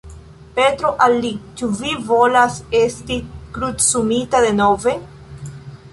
Petro al li: "Ĉu vi volas esti krucumita denove?